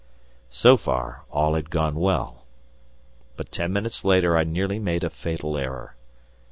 So far all had gone well, but ten minutes later I nearly made a fatal error.